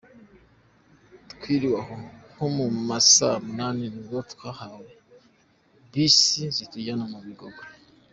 Twiriwe aho, nko mu ma saa munani, nibwo twahawe bisi zitujyana mu Bigogwe.